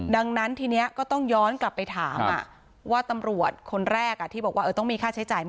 ดังนั้นทีนี้ก็ต้องย้อนกลับไปถามว่าตำรวจคนแรกที่บอกว่าต้องมีค่าใช้จ่ายไหม